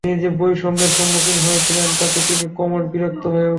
তিনি যে বৈষম্যের সম্মুখীন হয়েছিলেন তাতে তিনি ক্রমশ বিরক্ত হয়ে উঠছিলেন।